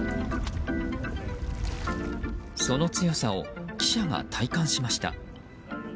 その強さを記者が体感しました。